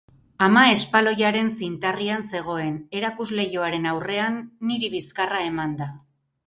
Ama espaloiaren zintarrian zegoen, erakusleihoaren aurrean niri bizkarra emanda.